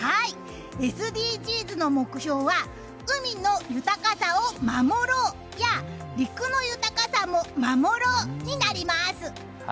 ＳＤＧｓの目標は海の豊かさを守ろうや陸の豊かさも守ろうになります。